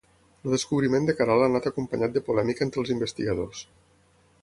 El descobriment de Caral ha anat acompanyat de polèmica entre els investigadors.